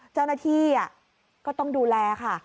เจ้าหน้าที่ก็ต้องดูแลค่ะ